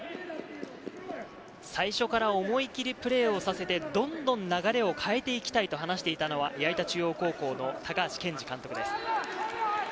最初から思い切りプレーをさせて、どんどん流れを変えてきたいと話していたのは矢板中央高校の高橋健二監督です。